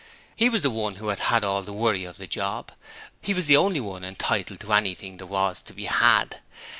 HE was the one who had had all the worry of the job, and he was the only one entitled to anything there was to be had.